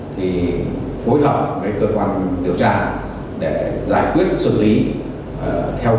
thì phối hợp với cơ quan điều tra để giải quyết xử lý theo quy định của pháp luật